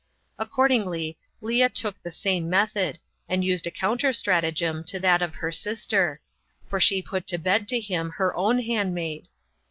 Accordingly, Lea took the same method, and used a counter stratagem to that of her sister; for she put to bed to him her own handmaid.